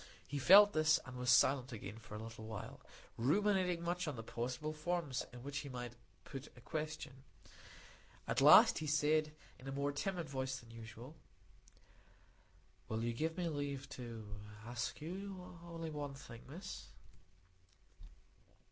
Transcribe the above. He felt this, and was silent again for a little while, ruminating much on the possible forms in which he might put a question. At last he said, in a more timid voice than usual,— "Will you give me leave to ask you only one thing, Miss?"